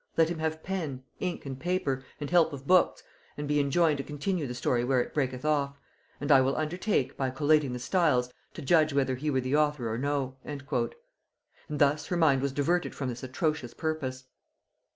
Let him have pen, ink and paper, and help of books, and be enjoined to continue the story where it breaketh off; and I will undertake, by collating the styles, to judge whether he were the author or no." And thus her mind was diverted from this atrocious purpose!